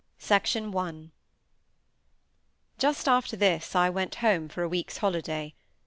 PART III Just after this I went home for a week's holiday.